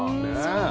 そう。